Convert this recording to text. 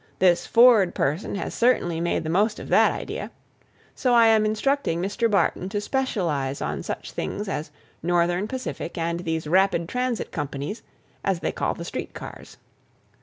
This Ford person has certainly made the most of that idea. So I am instructing Mr. Barton to specialize on such things as Northern Pacific and these Rapid Transit Companies, as they call the street cars.